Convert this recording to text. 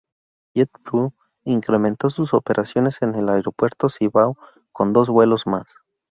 JetBlue incrementó sus operaciones en el Aeropuerto Cibao con dos vuelos más.